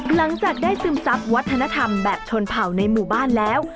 หลังจากได้ซึมซับวัฒนธรรมแบบชนเผ่าในหมู่บ้านแล้ว